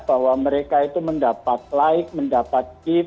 bahwa mereka itu mendapat like mendapat kip